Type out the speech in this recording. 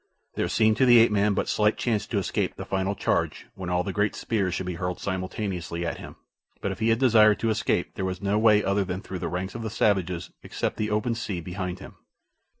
There seemed to the ape man but slight chance to escape the final charge when all the great spears should be hurled simultaneously at him; but if he had desired to escape there was no way other than through the ranks of the savages except the open sea behind him.